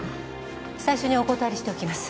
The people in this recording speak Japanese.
最初にお断りしておきます。